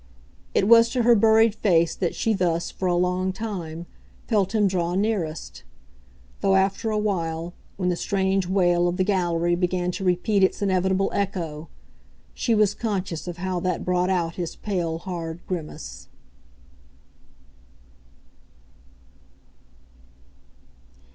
It was to her buried face that she thus, for a long time, felt him draw nearest; though after a while, when the strange wail of the gallery began to repeat its inevitable echo, she was conscious of how that brought out his pale hard grimace.